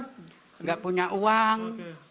tidak punya uang